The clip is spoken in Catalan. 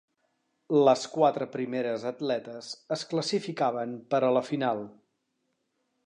Les quatre primeres atletes es classificaven per a la final.